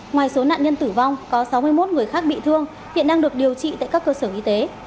ngoài số nạn nhân tử vong có sáu mươi một người khác bị thương hiện đang được điều trị tại các cơ sở y tế